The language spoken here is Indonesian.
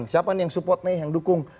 siapa nih yang support nih yang dukung